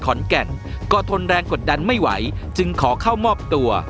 ขอนแก่นก็ทนแรงกดดันไม่ไหวจึงขอเข้ามอบตัว